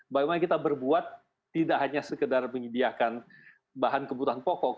bagaimana kita berbuat tidak hanya sekedar menyediakan bahan kebutuhan pokok